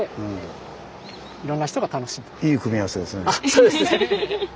そうですね。